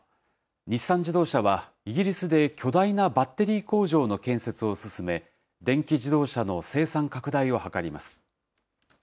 日産自動車は、イギリスで巨大なバッテリー工場の建設を進め、電気自動車の生産拡大を図ります。